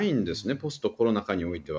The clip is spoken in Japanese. ポストコロナ禍においては。